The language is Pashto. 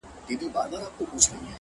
ستا د يوې لپي ښكلا په بدله كي ياران،